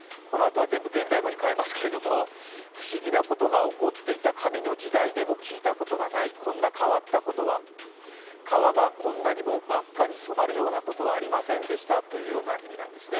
不思議なことが起こっていた神の時代でも聞いたことがないこんな変わったことは、川がこんなにも真っ赤に染まるようなことはありませんでしたというような意味なんですね。